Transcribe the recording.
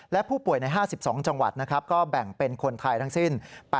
และผู้ป่วยใน๕๒จังหวัดนะครับก็แบ่งเป็นคนไทยทั้งสิ้น